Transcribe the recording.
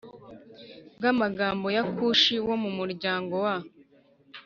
bw amagambo ya Kushi wo mu muryango wa